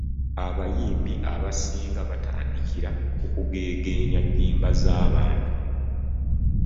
Abayimbi abasinga batandikira ku kugeegeenya nnyimba za bantu.